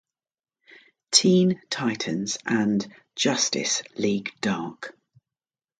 Teen Titans" and "Justice League Dark".